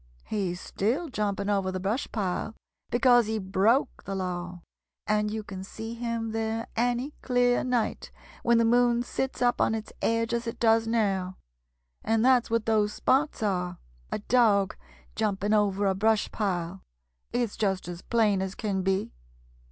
He's still jumping over the brush pile because he broke the law, and you can see him there any clear night when the moon sits up on its edge as it does now. And that's what those spots are a dog jumping over a brush pile. It's just as plain as can be."